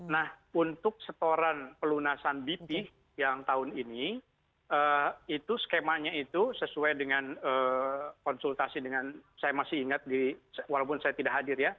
nah untuk setoran pelunasan bp yang tahun ini itu skemanya itu sesuai dengan konsultasi dengan saya masih ingat walaupun saya tidak hadir ya